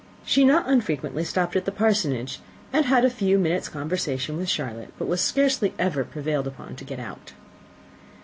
She not unfrequently stopped at the Parsonage, and had a few minutes' conversation with Charlotte, but was scarcely ever prevailed on to get out.